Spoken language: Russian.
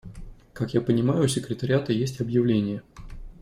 Как я понимаю, у секретариата есть объявление.